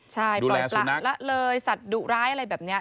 ใช่ปล่อยประละเลยสัตว์ดุร้ายอะไรแบบนี้